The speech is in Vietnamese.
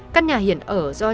các nhà hiển ở do trai